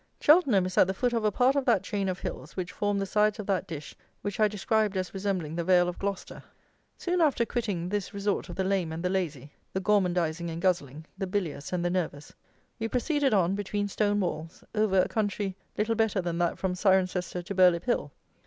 Cheltenham is at the foot of a part of that chain of hills which form the sides of that dish which I described as resembling the vale of Gloucester. Soon after quitting this resort of the lame and the lazy, the gormandizing and guzzling, the bilious and the nervous, we proceeded on, between stone walls, over a country little better than that from Cirencester to Burlip hill.